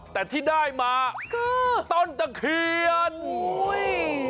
แต่ที่ได้มาคือต้นตะเคียนอุ้ย